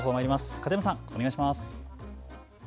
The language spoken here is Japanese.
片山さん、お願いします。